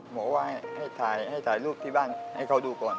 หมอว่าให้ถ่ายรูปที่บ้านให้เขาดูก่อน